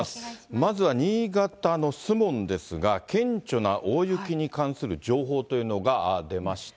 まずは新潟の守門ですが、顕著な大雪に関する情報というのが出ました。